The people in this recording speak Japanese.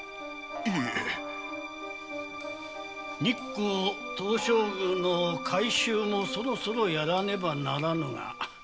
日光東照宮の改修もそろそろやらねばならぬが。